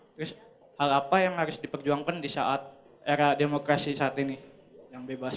terus hal apa yang harus diperjuangkan di saat era demokrasi saat ini yang bebas